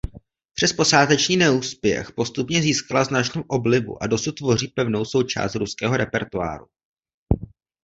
Přes počáteční neúspěch postupně získala značnou oblibu a dosud tvoří pevnou součást ruského repertoáru.